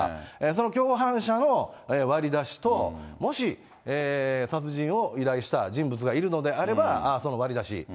その共犯者の割り出しと、もし殺人を依頼した人物がいるのであれば、その割り出し。